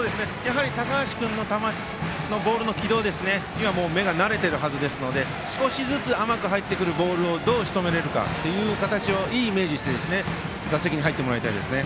高橋君のボールの軌道には目が慣れているはずですので少しずつ甘く入ってくるボールをどうしとめられるかという形をいいイメージをして打席に入ってもらいたいですね。